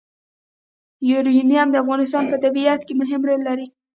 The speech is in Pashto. یورانیم د افغانستان په طبیعت کې مهم رول لري.